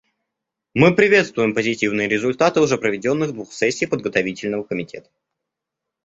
Мы приветствуем позитивные результаты уже проведенных двух сессий Подготовительного комитета.